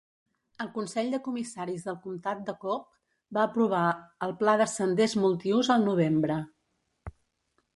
El Consell de Comissaris del Comtat de Cobb va aprovar el pla de senders multiús al novembre.